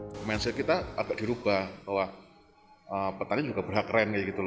komensi kita agak dirubah bahwa petani juga berhak keren